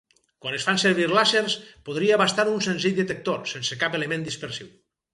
Quan es fan servir làsers, podria bastar un senzill detector, sense cap element dispersiu.